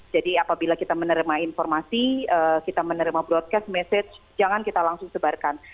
jadi apabila kita menerima informasi kita menerima broadcast message jangan kita langsung sebarkan